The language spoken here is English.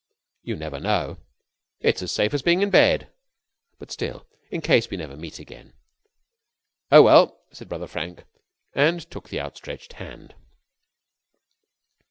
"You never know." "It's as safe as being in bed." "But still, in case we never meet again " "Oh, well," said Brother Frank, and took the outstretched hand.